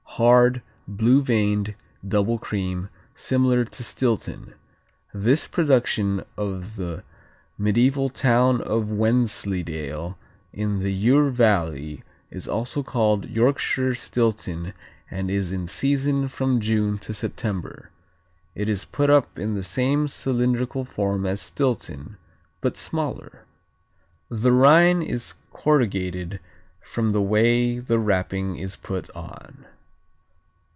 Hard; blue veined; double cream; similar to Stilton. This production of the medieval town of Wensleydale in the Ure Valley is also called Yorkshire Stilton and is in season from June to September. It is put up in the same cylindrical form as Stilton, but smaller. The rind is corrugated from the way the wrapping is put on.